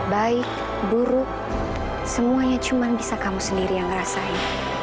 baik buruk semuanya cuma bisa kamu sendiri yang ngerasain